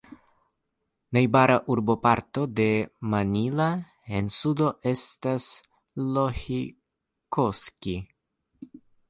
Najbara urboparto de Mannila en sudo estas Lohikoski.